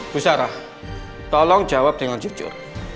bu sarah tolong jawab dengan jujur